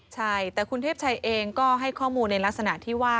ใช่แต่คุณเทพชัยเองก็ให้ข้อมูลในลักษณะที่ว่า